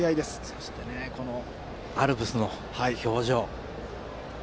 そして、アルプスの表情。